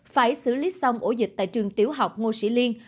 phải xử lý xong ổ dịch tại trường tiểu học ngô sĩ liên